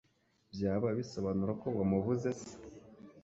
Byaba bisobanura ko wamubuze se